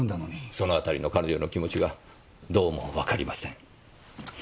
その辺りの彼女の気持ちがどうもわかりません。